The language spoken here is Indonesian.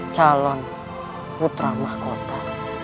calon putra mahkota